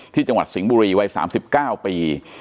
จังหวัดสิงห์บุรีวัย๓๙ปี